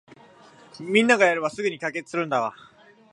みんながやればすぐに解決するんだが